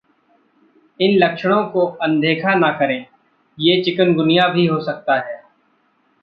इन लक्षणों को अनदेखा न करें, ये चिकनगुनिया भी हो सकता है...